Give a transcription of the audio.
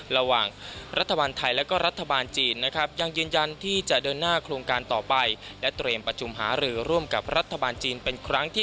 ระหว่างรัฐบาลไทยและรัฐบาลจีน